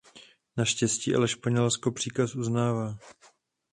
Naštěstí ale Španělsko příkaz uznává.